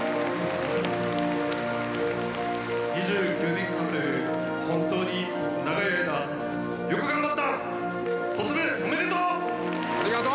２９年間という、本当に長い間、よく頑張った。